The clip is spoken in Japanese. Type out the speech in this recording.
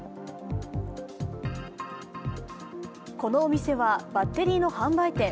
このお店はバッテリーの販売店。